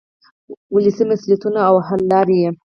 ولسي مسؤلیتونه او حل لارې.